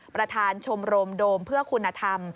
ประธานชมรมโดมเพื่อคุณธรรม